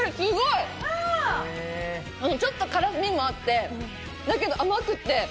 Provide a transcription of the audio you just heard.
ちょっと辛みもあって、だけど甘くって、